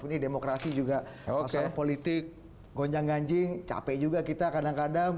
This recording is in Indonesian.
ini demokrasi juga masalah politik gonjang ganjing capek juga kita kadang kadang